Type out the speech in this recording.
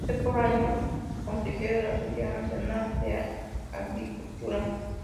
Fue por años consejero de la Sociedad Nacional de Agricultura.